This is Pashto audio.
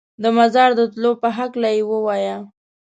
د مزار د تلو په هکله یې ووایه.